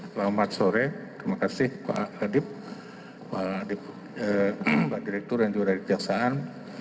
selamat sore terima kasih pak adip pak direktur dan juga pak adip jaksaan